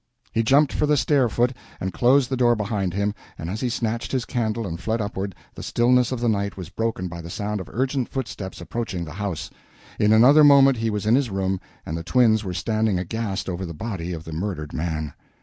He jumped for the stair foot, and closed the door behind him; and as he snatched his candle and fled upward, the stillness of the night was broken by the sound of urgent footsteps approaching the house. In another moment he was in his room and the twins were standing aghast over the body of the murdered man!